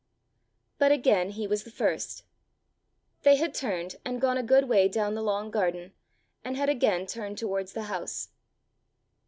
But again he was the first. They had turned and gone a good way down the long garden, and had again turned towards the house.